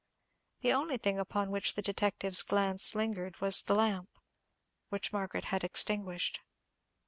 The only thing upon which the detective's glance lingered was the lamp, which Margaret had extinguished.